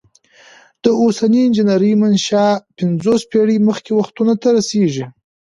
د اوسنۍ انجنیری منشا پنځوس پیړۍ مخکې وختونو ته رسیږي.